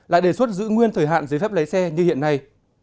lại đề xuất giữ nguyên thời hạn giấy phép lấy xe như hiện nay